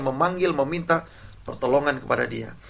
memanggil meminta pertolongan kepada dia